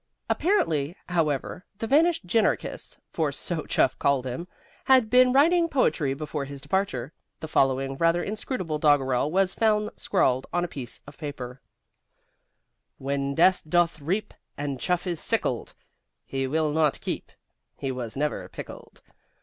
Apparently, however, the vanished ginarchist (for so Chuff called him) had been writing poetry before his departure. The following rather inscrutable doggerel was found scrawled on a piece of paper: When Death doth reap And Chuff is sickled, He will not keep: He was never pickled.